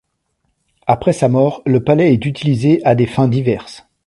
Après sa mort, le palais est utilisé à des fins diverses.